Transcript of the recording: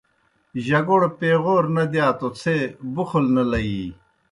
جگوڑ پیغَور نہ دِیا توْ څھے بُخل نہ لیِی۔